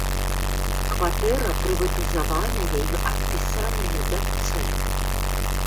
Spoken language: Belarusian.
Кватэра прыватызаваная і адпісаная дачцэ.